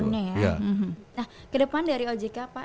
nah kedepan dari ojk pak